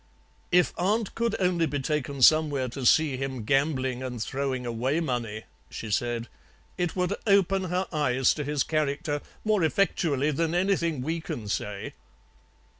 "'If aunt could only be taken somewhere to see him gambling and throwing away money,' she said, 'it would open her eyes to his character more effectually than anything we can say.'